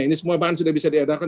ini semua bahan sudah bisa diadakan